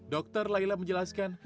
dokter laila menjelaskan